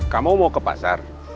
kamu mau ke pasar